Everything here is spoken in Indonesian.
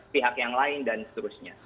pihak yang lain dan seterusnya